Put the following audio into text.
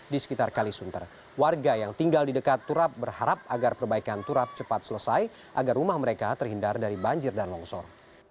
di sekitar kalisunter warga yang tinggal di dekat turap berharap agar perbaikan turap cepat selesai agar rumah mereka terhindar dari banjir dan longsor